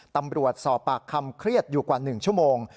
ตำรวจสอบปากคำเครียดอยู่กว่า๑ชั่วโมง